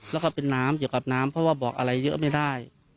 แล้วก็เป็นน้ำเกี่ยวกับน้ำเพราะว่าบอกอะไรเยอะไม่ได้